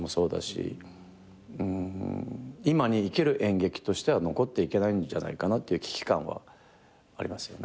うん今に生きる演劇としては残っていけないんじゃないかなっていう危機感はありますよね。